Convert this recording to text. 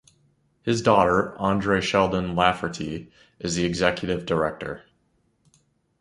His daughter, Andrea Sheldon Lafferty, is the executive director.